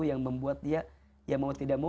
yang membuat dia ya mau tidak mau